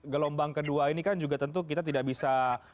gelombang kedua ini kan juga tentu kita tidak bisa